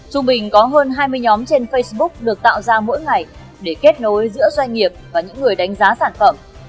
trung bình có hơn hai mươi nhóm trên facebook được tạo ra mỗi ngày để kết nối giữa doanh nghiệp và những người đánh giá sản phẩm